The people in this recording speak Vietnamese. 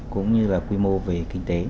cũng như là quy mô về kinh tế